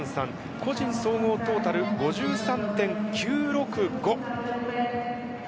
個人総合トータル５３．９６５。